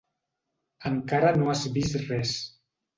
Encara no has vist res.